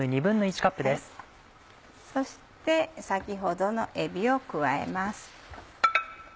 そして先ほどのえびを加えます。